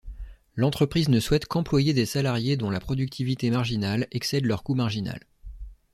L'entreprise ne souhaite qu'employer des salariés dont la productivité marginale excède leur coût marginal.